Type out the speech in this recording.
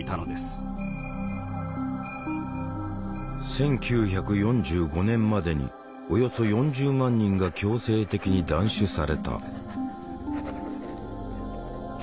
１９４５年までにおよそ４０万人が強制的に断種された。